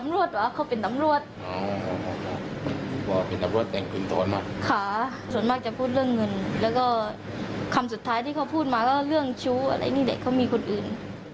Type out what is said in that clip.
และก็คำสุดท้ายที่เขาพูดมาก็เรื่องชู้อะไรนี่นี่ที่เขามีคนอื่น